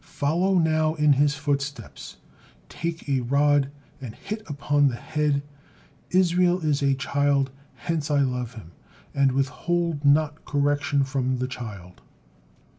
Follow now in his footsteps, take a rod and hit upon the head, 'Israel is a child, hence I love him,' and 'withhold not correction from the child.'"